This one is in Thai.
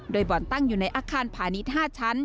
โดยบ่อนตั้งอยู่ในอาคารพาณิชย์๕ชั้น